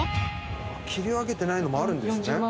切り分けてないのもあるんですね？